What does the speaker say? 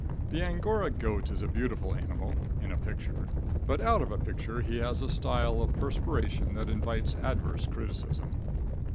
The Angora goat is a beautiful animal in a picture. But out of a picture he has a style of perspiration that invites adverse criticism.